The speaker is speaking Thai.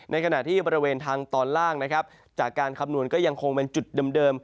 ในขณะที่บริเวณทางตอนล่างนะครับจากการคำนวณก็ยังคงเป็นจุดเดิม